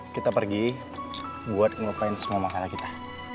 kita pergi buat ngapain semua masalah kita